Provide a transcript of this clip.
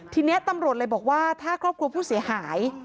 ทีนี้ตำรวจเลยบอกว่าถ้าครอบครัวผู้เสียหาย